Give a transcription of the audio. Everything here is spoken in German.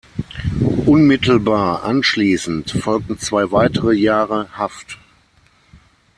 Unmittelbar anschließend folgten zwei weitere Jahre Haft.